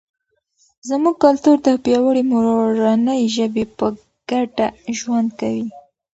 زموږ کلتور د پیاوړي مورنۍ ژبې په ګډه ژوند کوي.